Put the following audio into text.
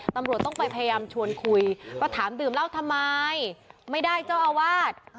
ตำรวจต้องไปพยายามชวนคุยก็ถามดื่มเหล้าทำไมไม่ได้เจ้าอาวาส